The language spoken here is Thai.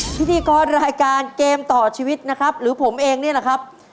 พิธีกรรายการเกมต่อชีวิตนะครับหรือผมเองนี่แหละครับ